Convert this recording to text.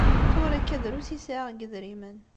Tura akka drus i sɛiɣ n yidrimen.